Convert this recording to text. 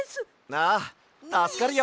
ああたすかるよ。